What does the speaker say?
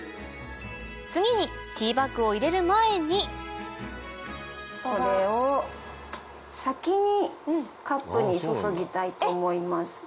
次にティーバッグを入れる前にこれを先にカップに注ぎたいと思います。